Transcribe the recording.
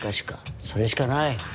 それしかない。